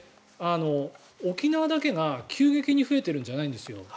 沖縄だけが急激に増えてるんじゃないんですよ。